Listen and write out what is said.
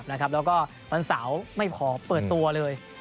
แล้วก็วันเสาร์ไม่พอเปิดตัวเลย